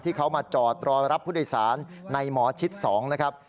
ที่เขามาจอดรอรับผู้โดยสารในหมอชิด๒นะครับ